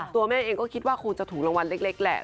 แม่เองก็คิดว่าคงจะถูกรางวัลเล็กแหละ